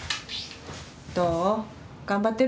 どう？